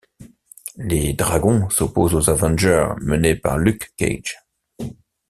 Les Dragons s'opposent aux Avengers menés par Luke Cage.